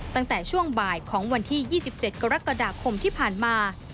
ตั้งแต่ช่วงบ่ายของวันที่๒๗กรกฎาคมที่ผ่านมา